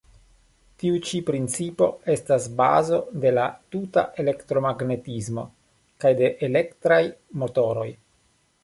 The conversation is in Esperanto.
Tiu ĉi principo estas bazo de la tuta elektromagnetismo kaj de elektraj motoroj.